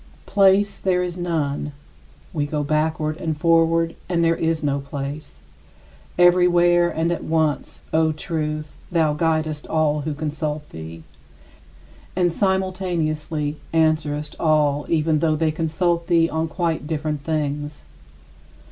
Place there is none. We go "backward" and "forward" and there is no place. Everywhere and at once, O Truth, thou guidest all who consult thee, and simultaneously answerest all even though they consult thee on quite different things.